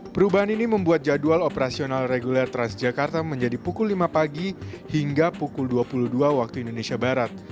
perubahan ini membuat jadwal operasional reguler transjakarta menjadi pukul lima pagi hingga pukul dua puluh dua waktu indonesia barat